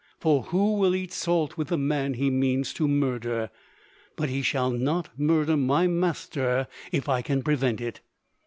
For who will eat salt with the man he means to murder? But he shall not murder my master if I can prevent it."